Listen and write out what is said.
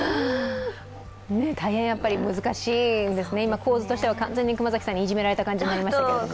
大変難しいんですね、今構図としては完全に熊崎さんにいじめられた感じもありましたけれども。